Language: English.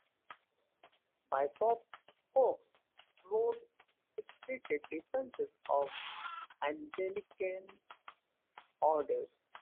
Bishop Coxe wrote spirited defences of Anglican orders.